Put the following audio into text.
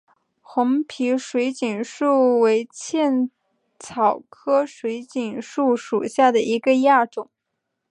红皮水锦树为茜草科水锦树属下的一个亚种。